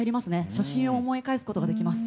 初心を思い返すことができます。